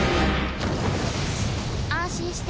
安心して。